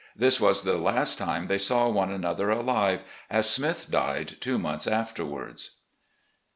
This was the last time they saw one another alive, as Smith died two months afterward.